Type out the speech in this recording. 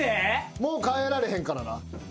もう変えられへんからな。